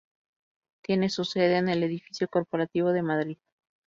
Tiene su sede en el edificio corporativo de Madrid.